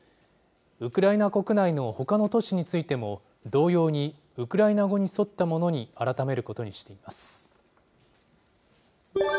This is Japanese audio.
ウクライナ国内のほかの都市についても、同様にウクライナ語に沿ったものに改めることにしています。